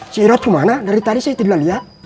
si irod kemana dari tadi saya tidak lihat